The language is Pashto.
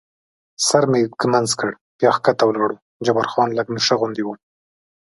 سر مې ږمنځ کړ او بیا کښته ولاړو، جبار خان لږ نشه غوندې و.